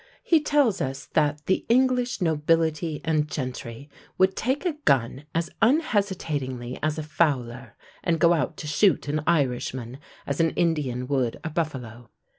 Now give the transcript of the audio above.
He tells us that 'The English nobility and gentry would take a gun as unhesitatingly as a fowler, and go out to shoot an Irishman as an Indian would a buffalo.'